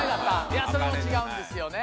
いやそれも違うんですよね。